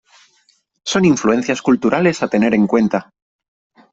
Son influencias culturales a tener en cuenta.